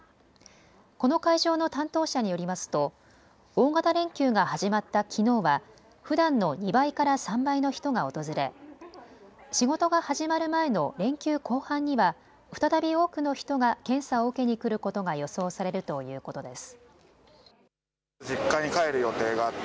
この会場の担当者によりますと大型連休が始まったきのうはふだんの２倍から３倍の人が訪れ仕事が始まる前の連休後半には再び多くの人が検査を受けにくることが予想されるということです。